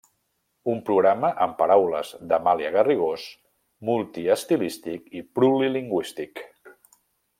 Un programa, en paraules d'Amàlia Garrigós, "multiestilístic i plurilingüístic".